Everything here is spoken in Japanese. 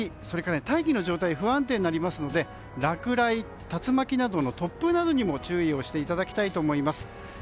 それから、大気の状態が不安定になりますので落雷、竜巻などの突風などにも注意をしていただきたいと思います。